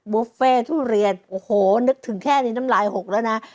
บุฟเฟ่ทุเรียนโอ้โหนึกถึงแค่นี้น้ำลายหกแล้วนะ